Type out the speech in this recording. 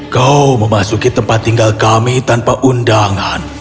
kau memasuki tempat tinggal kami tanpa undangan